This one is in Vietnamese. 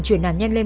chuyển nạn nhân lên